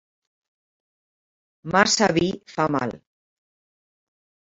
Massa vi fa mal.